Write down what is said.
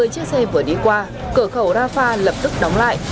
hai mươi chiếc xe vừa đi qua cửa khẩu rafah lập tức đóng lại